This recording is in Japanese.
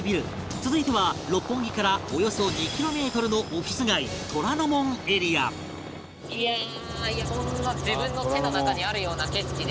続いては六本木からおよそ２キロメートルのオフィス街虎ノ門エリアいやあこんな自分の手の中にあるような景色で。